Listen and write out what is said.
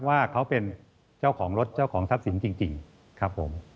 ว่าเขาเป็นเจ้าของรถเจ้าของทรัพย์สินจริงครับผม